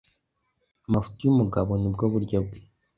Amafuti y’umugabo ni bwo buryo bwe.”